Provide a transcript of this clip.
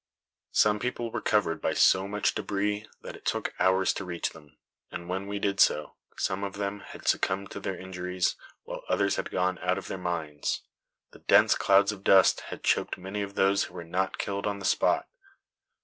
Some people were covered by so much debris that it took hours to reach them, and when we did so, some of them had succumbed to their injuries, while others had gone out of their minds. The dense clouds of dust had choked many of those who were not killed on the spot."